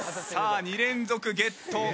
さあ２連続ゲット。